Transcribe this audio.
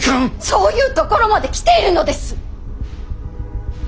そういうところまで来ているのです！